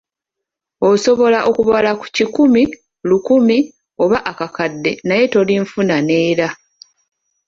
Osobola okubala ku kikumi, lukumi, oba akakadde naye tolinfuna neera!